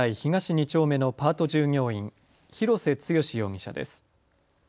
２丁目のパート従業員、廣瀬津嘉容疑者です。